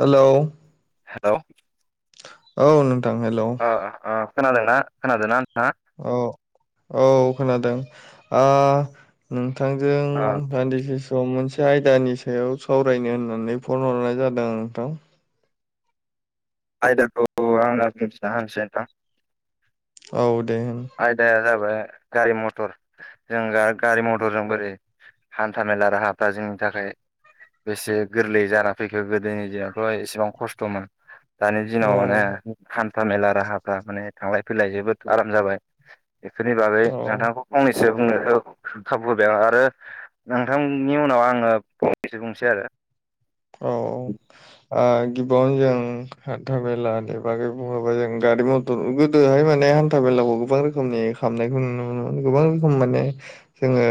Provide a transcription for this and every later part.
होलौ हेल' औ नों अ अ खोनादोंना खोनादोंना नोंथां औ औ खोनादों आ ओन आथांजों ओ दान्दिसे स' मोनसे आयदानि सायाव सावरायनो होननानै फन हरनाय जादों नोंथां आयदाखौ आं [unintelligible] औ दे आयदाया जाबाय गारि मथर जों गारि मथरजों बोरै हान्था मेला राहाफ्रा जोंनि थाखाय बेसे गोरलै जाना फैखो गोदोनि दिनावथ' एसेबां खस्थ'मोन दानि औ दिनाव माने हान्था मेला राहाफ्रा माने थांलाय फैलाय जोबोद आराम जाबाय बेफोरनि बागै औ नोंथांखौ फंनैसो बुंनो खाबु होदों आरो नोंथांनि उनाव आङो फंनैसो बुंसै आरो औ आ गिबियावनो जों हान्था मेला दे बागै बुङाबा जों गारि मथर गोदोहाय माने हान्था मेला औ गोबां रोखोमनि खामनाय खौ नुनो मोनो मोन गोबां रोखोम माने जोंङो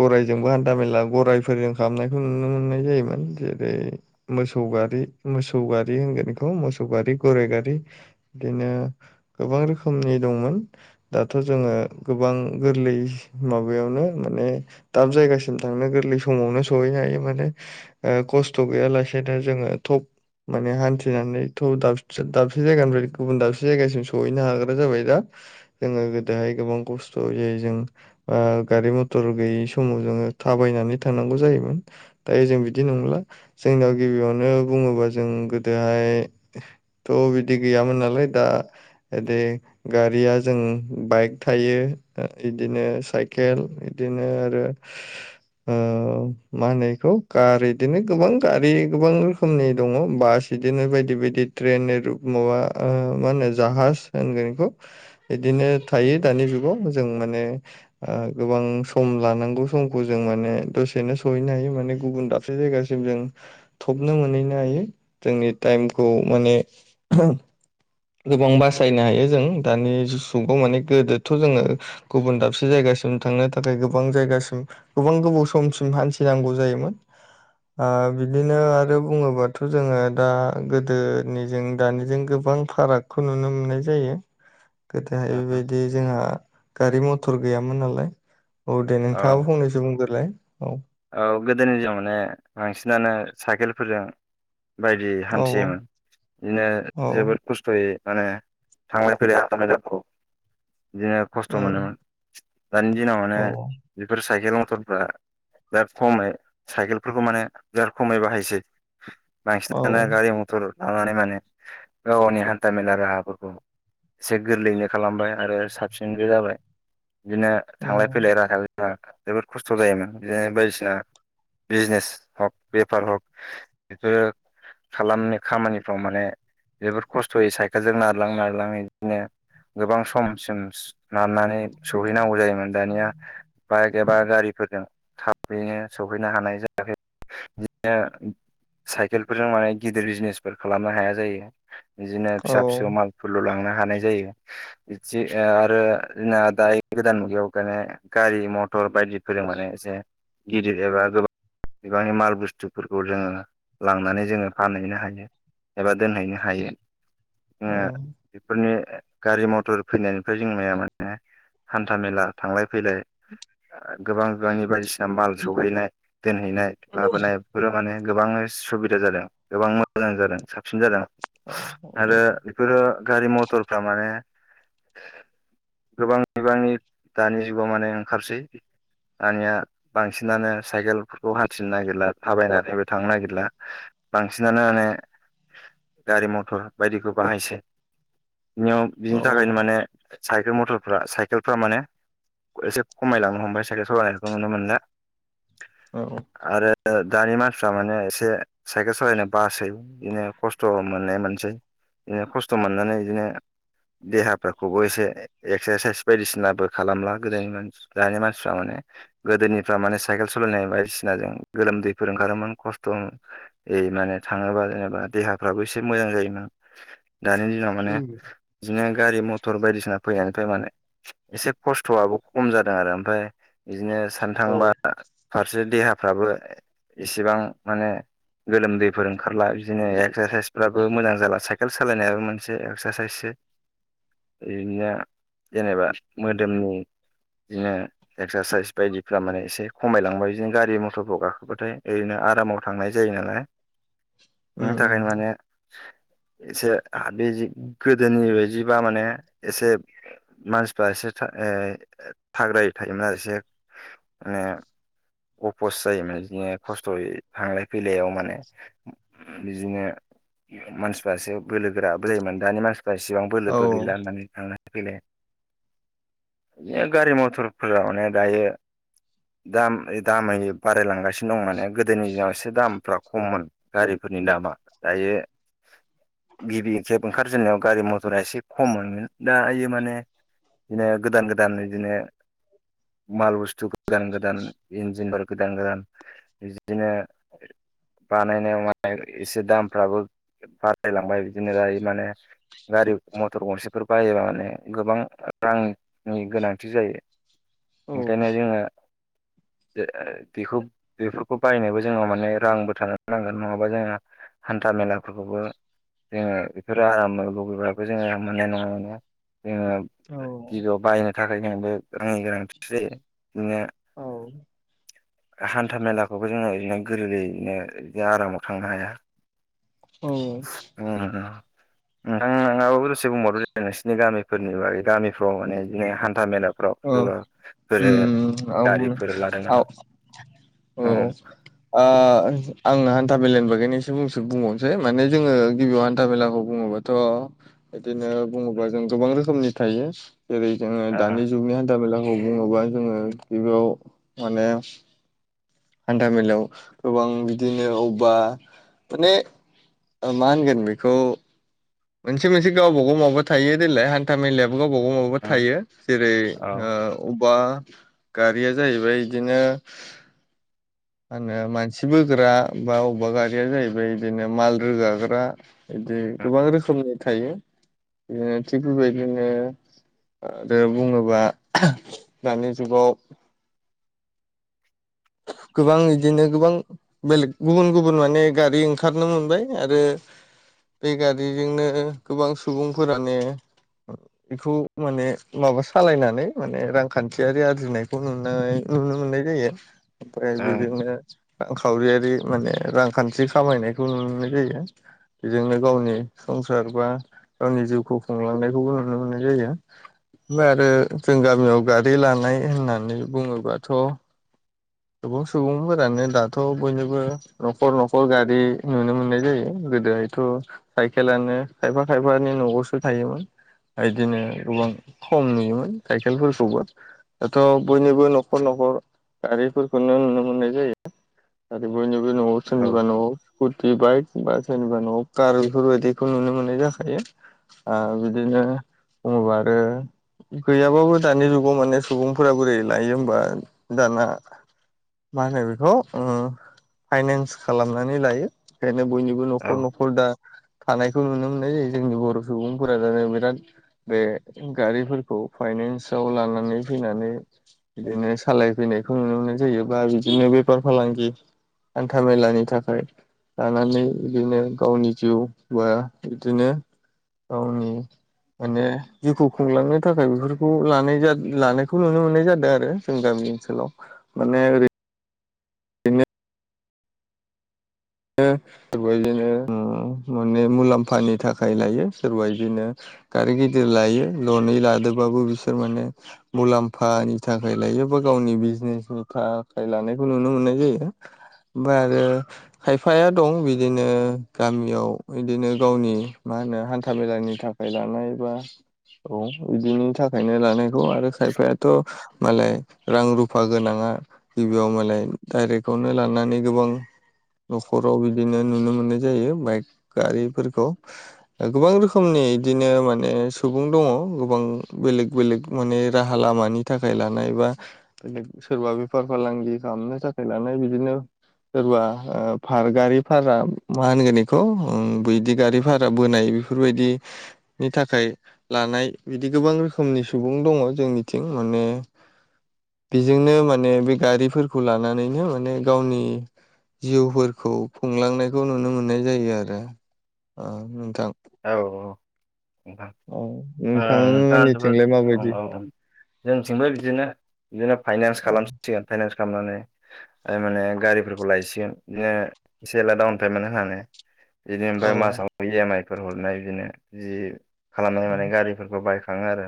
गरायजोंबो हान हान्था मेला गराइफोरजों खालामनायखौ नुनो मोननाय जायोमोन जे ऐ मोसौ गारि मोसौ गारि होनगोन बेखौ मोसौ गारि गराइ गारि बिनो ओ गोबां रोखोमनि दंमोन दाथ' जोंङो गोबां गोरलै सिमाव माबायावनो माने दाब जायगासिम थांनो गोरलै समावनो सौवहैनो हायो माने ओ खस खस्थ' गैयालासेनो जोङो थप माने हान्थिनानैथ' दाबसे दाबसे जायगानिफ्राय गुबुन दाबसे जायगासिम सहैनो हाग्रा जाबाय दा जोङो गोदोहाय गोबां खस्थ' जायो जों ओ गारि मथर गैयि समाव जोङो थाबायनानै थांनांगौ जायोमोन दायो जों बिदि नंला जोंनियाव गिबियावनो बुङोबा जों गोदोहाय थ' बिदि गैयामोन नालाय दा दे गारिया जों बाइक थायो बिदिनो साइकेल एदिनो आरो ओ मा होनो एखौ खार एदिनो गोबां गारि गोबां रोखोमनि दङ बास एदिनो बायदि बायदि ट्रेन एरब माबा ओ मा होनो जाहास होनगोन एखौ बिदिनो थायो दानि जुगाव जों माने गोबां सम लानांगौ समखौ जों माने दसेनो सहैनो हायो माने गुबुन दाबसे जायगासिम जों थबनो मोनहैनो हायो जोंनि टाइमखौ माने गोबां बासायनो हायो जों दानि जुगाव माने गोदोथ' जोङो गुबुन दाबसे जायगा जासिम थांनो थाखाय गोबां जायगासि गोबां गोबाव समसिम हान्थिनांगौ जायोमोन आ बिदिनो आरो बुङोबाथ' जोङो दा गोदोनिजों दानिजों गोबां फाराग खौ नुनो मोननाय जायो गोदोहाय बेबायदि जोंहा गारि मथर गैयामोन नालाय औ दे औ नोंथाङो फंनैसो बुंग्रोलाय औ औ गोदोनि दिनाव माने बांसिनानो साइकेलफोरजों बायदि औ हान्थियोमोन बिदिनो औ जोबोद खस्थ'यै माने थांलाय फैलाय हान्था मेलाखौ बिदिनो खस्थ' उम मोनोमोन दानि दिनाव माने औ बेफोर साइकेल मथरफ्रा बिराद खमाय साइकेलफोरखौ माने बिराद खमै बाहायसै औ बांसिनानो गारि मथर लानानै माने गाव गावनि हान्था मेला राहाफोरखौ एसे गोरलैयैनो खालामबाय आरो साबसिनबो जाबाय बिदिनो थांलाय उम फैलाय राहा जोबोद खस्थ' जायोमोन बिदिनो बायदिसिना बिजनेस हक बेफार हक बिफोरो खालामनो खामानिफ्राव माने जबोद खस्थ'यै साइखेलजों नारलां नारलां बिदिनो गोबां समसिम नारनानै सहैनांगौ जायोमोन दानिया बाइक एबा गारिफोरजों थाबैनो सहैनो हानाय जायाखै बिदिनो साइकेलफोरजों माने गिदिर बिजनेसफोर खालामनो हाया जायो। बिदिनो औ फिसा फिसौ मालफोरल' लांनो हानाय जायो बि आरो जोंना दायो गोदान मुगायाव गारि मथर बायदि फोरों माने एसे गिदिर एबा गोबां बिबांनि माल बुस्थुफोरखौ जोङो लांनानै जोङो फानहैनो हायो। एबा दोनहैनो हायो उम बेफोरनि गारि मथर फैनायनिफ्राय जोंनायया माने हान्था मेला थांलाय फैलाय [inaudible] गोबां गोबांनि बायदिसिना माल सौहैनाय दोनहैनाय लाबोनाय बेफोरो माने गोबाङ सुबिदा जादों गोबां मोजां जादों साबसिन जादों। औ आरो बेफोरो गारि मथरफ्रा माने गोबां बिबांनि दानि जुगाव माने ओंखारसै दानिया बांसिनानो साइकेलफोरखौ हाथिनो नागिरला थाबायनानैबो थांनो नागिरला बांसिनानो माने गारि मथर बायदिखौ बाहायसै बिनियाव बिनि औ थाखायनो माने साइकेल मथरफ्रा साइकेलफ्रा माने एसे खमायलांनो हमबाय। साइ सलनायखौ नुनो मोनला। औ आरो दानि मानसिफ्रा माने एसे साइकेल सालायनो बासै बिदिनो खस्थ' मोननाय मोनसै बिदिनो खस्थ' मोननानै बिदिनो देहाफोरखौबो एसे एक्सारसाइस बायदिसिनाबो खालामला गोदोनि मानसि दानि मानसि मानसिफ्रा माने गोदोनिफ्रा माने साइकेल सालायनाय बायदिसिनाजों गोलोमदैफोर ओंखारोमोन खस्थ' माने थाङोबा जेनेबा देहाफ्राबो एसे मोजां जायोमोन। दानि दिनाव माने उम बिदिनो गारि मथर बायदिसिना फैनायनिफ्राय माने एसे खस्थ'आबो खम जादों आरो ओमफ्राय बिदिनो सान औ थांबा फारसे देहाफ्राबो एसेबां माने गोलोमदैफोर ओंखारला बिदिनो एक्सारसाइसफ्राबो मोजां जाला साइकेल सालायनायाबो मोनसे एक्सारसाइससो बिदिनो जेनेबा मोदोमनि बिदिनो एक्सारसाइस बायदिफ्रा माने एसे खमायलांबाय बिदिनो गारि मथरफ्र गाखोबाथाय ओरैनो आरामाव थांनाय जायो। जायो नालाय उम बिनि उम थाखायनो माने एसे बे गोदोनि बायदिबा माने एसे मानसिफ्रा एसे थाग्रायै थायोमोन आरो एसे माने अपस जायो माने बिदिनो मानसिफ्रासो बोलो गोराबो जायोमोन दानि मानसि फोरा एसेबां औ बोलोबबो गैला होननानै थांलाय फैलाय बिदिनो गारि मथर फोरावाने दायो दाम दामै बारायलांगासिनो दं माने गोदोनि दिनाव एसे दामफ्रा खममोन गारिफोरनि दामा दायो गिबि खेब ओंखारजेननायाव गारि मथरा एसे खममोनो दाइयो माने बिदिनो गोदान गोदान इदिनो [inaudible] माल बुस्थु गोदान गोदान इन्जिनफोर गोदान गोदान बिदिनो बानायनायाव माने एसे दामफ्राबो बारायलांबाय बिदिनो दायो माने गारि मथर गंसेफोर बायोबा माने गोबां रांनि गोनांथि जायो औ ओंखायनो जोङो बेखौ बेफोरखौ बायनोबो जोंनाव माने रांबो थानो नांगोन नङाबा जोंहा हान्था मेलाफोरखौबो जोङो बेफोरो आराम लगैबो जोङो आराम मोननाय नङा जोङो गिबियाव बायनो थाखाय जों बे रांनि गोनांथि जायो बिदिनो औ। हान्था मेलाखौबो जोङो बिदिनो गोरलैलैयनो आरामाव थांनो हाया। औ। [unintelligible] नोंथां नोंहाबो दसे बुंबावो नोंसिरनि गामिफोरनि बागै गामिफ्राव माने जदिनि हान्था मेलाफ्राव औ सोरबाफोर उम गारिफोर लादों आ औ नामा? ओ उम आं हान्था मेलानि बागैनोससेस बुंबावनोसै माने जोङो गिबियाव हान्था मेलाखौ बुङो बाथ इदिनो बुङोबा जों गोबां रोखोमनि थायो जेरै जोंङो दानि जुगनि हान्था मेलाखौ बुङोबा जोङो गिबियाव माने हान्था मेलायाव गोबां बिदिनो अबेबा माने मा होनगोन बेखौ मोनसे मोनसे गावबा गाव मबा थायो देलाय हान्था मेला गावबा गाव माबा थायो जेरै ओ ओ बा गारिया जाहैबाय इदिनो मा होनो मानसि बोग्रा बा अबेबा गारिया जाहैबाय बिदिनो माल रोगाग्रा इदि गोबां रोखोमनि थायो बिदि थिक बेबायदिनो। आरो बुङोबा दानि जुगाव गोबां बिदिनो गोबां बेलेग गुबुन गुबुन माने गारि ओंखारनो मोनबाय आरो। बे गारिजोंनो गोबां सुबुंफोरानो बेखौ माने माबा सालायनानै माने रांखान्थियारि आरजिनायखौ नुनाय नुनो मोननाय जायो ओमफ्राय औ बेजोंनो रांखावरियारि माने रांखान्थि खामायनायखौ नुनाय जायो बेजोंनो गावनि संसार बा गावनि जिउखौ खुंलांनायखौबो नुनो मोननाय जायो ओंफाय आरो जों गामियाव गारि लानाय होननानै बुङोबाथ' गोबां सुबुं सुबुंफोरानो दाथ' बयनोबो न'खर न'खर गारि नुनो मोननाय जायो गोदोहायथ' साइकेलानो खायफा खायफानि न'आवसो थायोमोन इदिनो गोबां खम नुयोमोन साइखेलफोरखौबो दाथ' बयनिबो न'खर न' खर गारिफोरखौनो नुनो मोननाय जायो आरो बयनिबो न'आव ओ सोरनिबा न'आव स्कुटि बाइक बा सोरनिबा न' कार बेफोरबायाददिखौ नुनो मोननाय जाखायो ओ बिदिनो बुङोबा आरो गैयाबाबो दानि जुगाव माने सुबुंफोरा बोरै लायो होमबा दाना मा होनो बेखौ उम फाइनान्स खालामनानै लायो बयनिबो औ औ न'खर न'खर दा थानायखौ नुनो मोननाय जायो जोंनि बर' सुबुंफोरा दानो बिराद बे गारिफोरखौ फाय नेसाव लानानै फैनानै बिदिनो सालाय फैनाय खौ नुनोमोनाय जायोबा बिदिनो बेफार फालांगि हान्था मेलानि थाखाय लानानै बिदिनो गावनि जिउ बा बिदिनो गावनि माने जिउखौ खुंलांनो थाखाय बेफोरखौ लानाय लानायखौ नुनो मोननाय जादों आरो जों गामि। ओनसोलाव माने ओरै सोरबा बिदिनो माने मुलाम्फानि थाखाय लायो सोरबा इदिनो गारि गिदिर लायो ल'नै लादोबाबो बिसोर माने मुलाम्फानि थाखाय लायो बो गावनि बिजनेसनि थाखाय लानायखौ नुनो मोननाय जायो। ओमफ्राय आरो खायफाया दं बिदिनो गामियाव इदिनो गावनि मा होनो हान्था मेलानि था खाय लानाय बा औ इदिनि थाखायनो लानाय खौ आरो खायफायाथ' मालाय रां रुफा गोनाङा गिबियाव मालाय डाइरेगावनो लानानै गोबां न'खराव बिदिनो नुनो मोननाय जायो बाइक गारिफोरखौ। गोबां रोखोमनि इदिनो माने सुबुं दङ' गोबां बेलेक बेलेक माने राहा लामानि थाखाय लानाय बा बेलेग सोरबा बेफार फालांगि खालामनो थाखाय लानाय बिदिनो सोरबा ओ भार गारि भारा मा होनगोन इखौ उम बैदि गारि भारा बोनाय बेफोरबायदि नि थाखाय लानाय बिदि गोबां रोखोमनि सुबुं दङ'। जोंनिथिं माने बेजोंनो माने बे गारिफोरखौ लानानैनो माने गावनि जिउफोर खौ खुंलांनायखौ नुनो मोननाय जायो आरो ओ नोंथां। औ औ नोंथां औ ओ नोंथाङा जोबोद नोंथांमोननिथिंलाय औ माबायदि औ औ जोंथिंबो बिदिनो बिदिनो फाइनान्स औ खालामसिगोन फाइनान्स खामनानै ओ माने गारिफोरखौ लायसिगोन बिदिनो एसे एला डाउन पेमेन्ट होननानै। बिदिनो ओमफाय औ मासाव इएम आइ फोर हरनाय बिदिनो जि खालामनाय माने गारिफोरखौ बाय थाङो आरो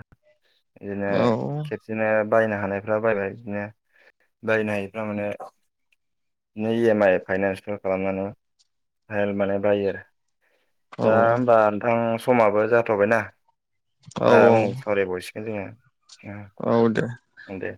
इदिनो औ खेबसेनो बायनो हानायफ्रा बायबाय बिदिनो बायनो हायिफ्रा माने नै इएम आइ फाइनान्सल' खालामनानै [unintelligible] माने बायो आरो। औ दा होमबा नोंथां समाबो जाथ'बायना औ ओ उनाव सावरायबावसि औ औ दे [unintelligible] ओंदे